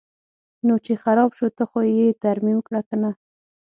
نو چې خراب شو ته خو یې ترمیم کړه کنه.